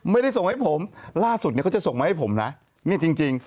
ไม่ได้ส่งให้ผมล่าสุดเนี่ยเขาจะส่งมาให้ผมนะนี่จริงจริง